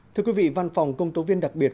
thưa quý vị văn phòng công tố viên đặc biệt